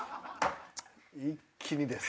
一気にです。